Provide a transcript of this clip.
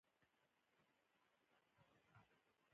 هر څوک حق لري عدالت ته لاسرسی ولري.